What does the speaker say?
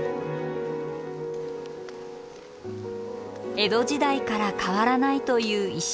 江戸時代から変わらないという石段。